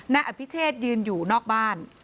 นายอภิเชษยืนอยู่นอกบ้าน